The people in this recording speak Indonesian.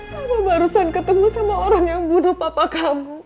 papa barusan ketemu sama orang yang bunuh papa kamu